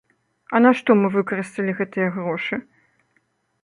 А на што мы выкарысталі гэтыя грошы?